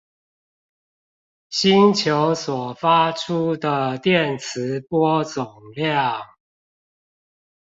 星球所發出的電磁波總量